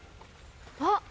あっ！